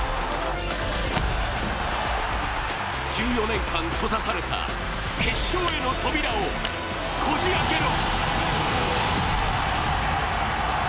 １４年間閉ざされた決勝への扉をこじ開けろ。